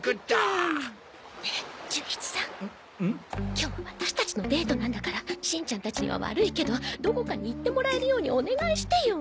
今日はワタシたちのデートなんだからしんちゃんたちには悪いけどどこかに行ってもらえるようにお願いしてよ。